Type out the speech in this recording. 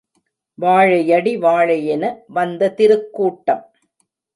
வாழையடிவாழையென வந்த திருக்கூட்டம்